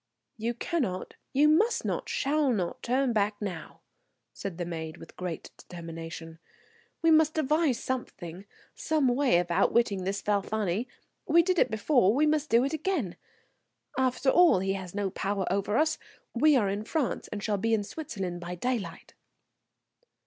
"You cannot, you must not, shall not turn back now," said the maid with great determination. "We must devise something, some way, of outwitting this Falfani. We did it before, we must do it again. After all he has no power over us; we are in France and shall be in Switzerland by daylight."